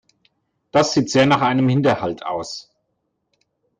Das sieht sehr nach einem Hinterhalt aus.